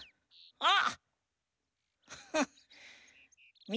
あっ！